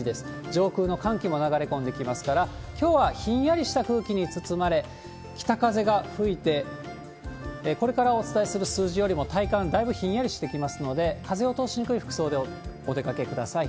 上空の寒気も流れ込んできますから、きょうはひんやりした空気に包まれ、北風が吹いて、これからお伝えする数字よりも体感、だいぶひんやりしてきますので、風を通しにくい服装でお出かけください。